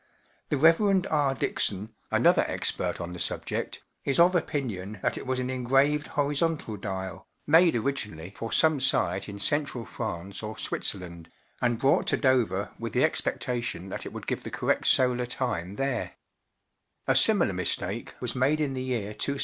The Rev, R, Dixon, another expert on the subject, is of opinion that it was an engraved horizontal dial, made originally for some site in Central France or Switzerland, and brought to Dover with the expectation that it would give the correct solar time there, A similar mistake was made in the year 263 B.